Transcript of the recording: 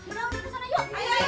kita udah kesana yuk